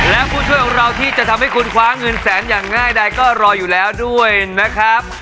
และผู้ช่วยของเราที่จะทำให้คุณคว้าเงินแสนอย่างง่ายใดก็รออยู่แล้วด้วยนะครับ